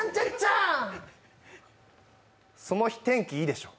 その日、天気いいでしょ？